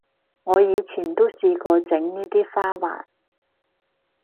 我以前都試過整呢啲花環